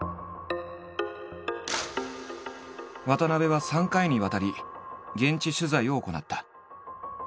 渡部は３回にわたり現地取材を行った。